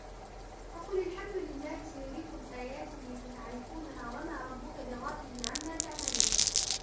وَقُلِ الْحَمْدُ لِلَّهِ سَيُرِيكُمْ آيَاتِهِ فَتَعْرِفُونَهَا وَمَا رَبُّكَ بِغَافِلٍ عَمَّا تَعْمَلُونَ